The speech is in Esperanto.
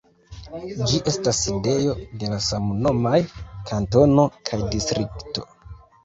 Ĝi estas sidejo de la samnomaj kantono kaj distrikto.